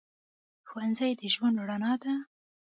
ښوونځی د ژوند رڼا ده